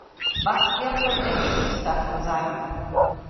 Was wird das Ergebnis davon sein?